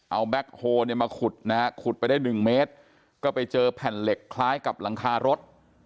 เอาแก๊คโฮเนี่ยมาขุดนะฮะขุดไปได้หนึ่งเมตรก็ไปเจอแผ่นเหล็กคล้ายกับหลังคารถ